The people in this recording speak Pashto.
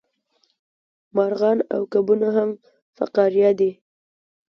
مارغان او کبونه هم فقاریه دي